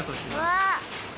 うわ！